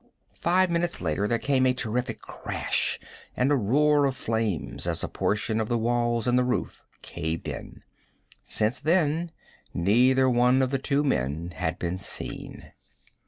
Five minutes later there came a terrific crash, and a roar of flames as a portion of the walls and the roof caved in. Since then neither one of the two men had been seen.